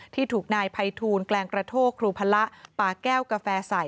ที่ถูกนายภัยทูลแกลงกระโทกครูพละปาแก้วกาแฟใส่